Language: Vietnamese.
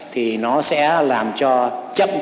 thì nó sẽ làm cho chậm